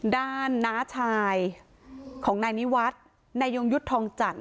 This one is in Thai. ดารน้าชายของหน้านิวัสด์ในยุงยุทธองจันทร์